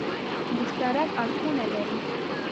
مشترک اړخونه لري.